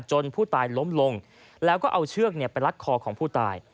ผู้ตายล้มลงแล้วก็เอาเชือกไปรัดคอของผู้ตาย